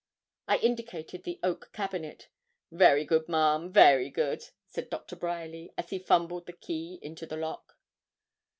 I indicated the oak cabinet. 'Very good, ma'am very good,' said Doctor Bryerly, as he fumbled the key into the lock.